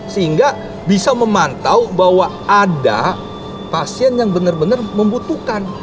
sehingga bisa memantau bahwa ada pasien yang benar benar membutuhkan